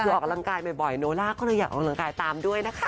คือออกกำลังกายบ่อยโนล่าก็เลยอยากออกกำลังกายตามด้วยนะคะ